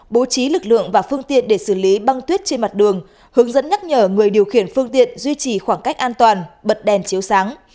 bố trí lực lượng và phương tiện để xử lý băng tuyết trên mặt đường hướng dẫn nhắc nhở người điều khiển phương tiện duy trì khoảng cách an toàn bật đèn chiếu sáng